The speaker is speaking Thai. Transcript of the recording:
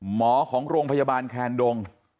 หมอของโรงพยาบาลแคนดง